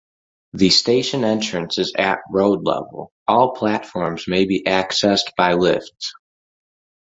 The station entrance is at road level; all platforms may be accessed by lifts.